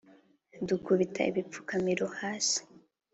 Dukubita ibipfukamiro hasi